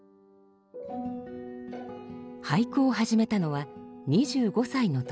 俳句を始めたのは２５歳の時。